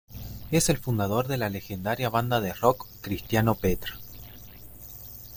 Es el fundador de la legendaria banda de rock cristiano Petra.